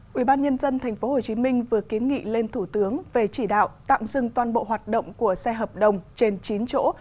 quỹ ban nhân dân tp hcm vừa kiến nghị lên thủ tướng về chỉ đạo tạm dừng toàn bộ hoạt động của xe hợp đồng trên chín chỗ